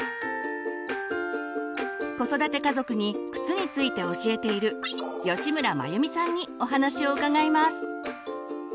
子育て家族に靴について教えている吉村眞由美さんにお話を伺います。